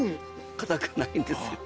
かたくないんですよ。